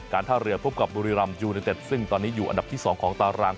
ท่าเรือพบกับบุรีรำยูเนเต็ดซึ่งตอนนี้อยู่อันดับที่๒ของตาราง